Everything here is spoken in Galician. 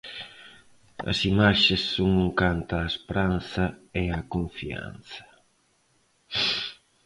As imaxes son un canto á esperanza e á confianza.